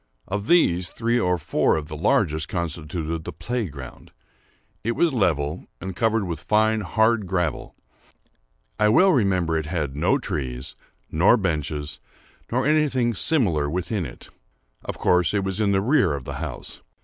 Of these, three or four of the largest constituted the play ground. It was level, and covered with fine hard gravel. I well remember it had no trees, nor benches, nor anything similar within it. Of course it was in the rear of the house.